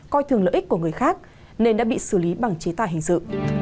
coi thường lợi ích của người khác nên đã bị xử lý bằng chế tài hình sự